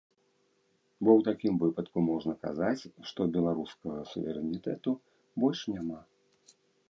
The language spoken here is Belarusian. Бо ў такім выпадку можна казаць, што беларускага суверэнітэту больш няма.